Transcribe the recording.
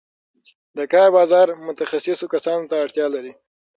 د کار بازار متخصصو کسانو ته اړتیا لري.